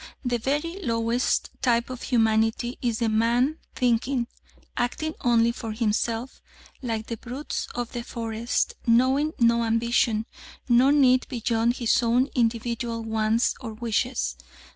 The very lowest type of humanity is the man thinking, acting only for himself, like the brutes of the forest, knowing no ambition, no need, beyond his own individual wants or wishes.